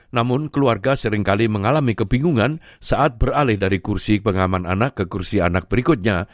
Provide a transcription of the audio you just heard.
namun keluarga seringkali mengalami kebingungan saat beralih dari kursi pengaman anak ke kursi anak berikutnya